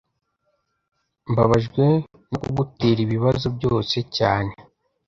Mbabajwe no kugutera ibibazo byose cyane